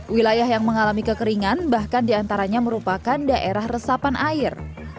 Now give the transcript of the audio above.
wilayah yang mengalami kekeringan bahkan diantaranya merupakan daerah resapan air